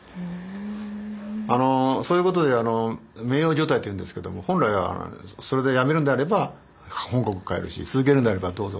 あのそういうことで名誉除隊っていうんですけども本来はそれで辞めるんであれば本国帰るし続けるんであればどうぞと。